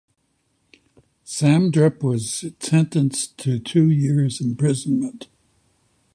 Samdrup was sentenced to two years imprisonment.